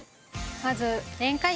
まず。